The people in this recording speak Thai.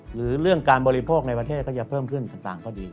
หรือเรื่องการบริโภคในประเทศก็จะเพิ่มขึ้นต่างก็ดี